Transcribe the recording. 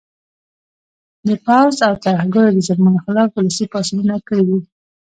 د پوځ او ترهګرو د ظلمونو خلاف ولسي پاڅونونه کړي دي